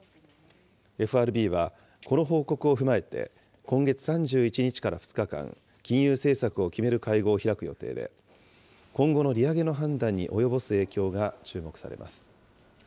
ＦＲＢは、この報告を踏まえて、今月３１日から２日間、金融政策を決める会合を開く予定で、今後の利上げの判断に及ぼす影響が注目されます。